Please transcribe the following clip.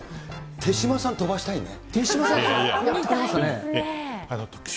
手嶋さん、飛ばしたいね。